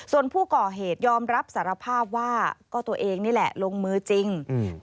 ส่วนผู้ก่อเหตุยอมรับสารภาพว่าก็ตัวเองนี่แหละลงมือจริง